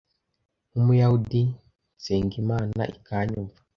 nkumuyahudi nsenga imana ikanyumva